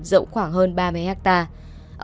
đầm rộng khoảng hơn ba mươi hectare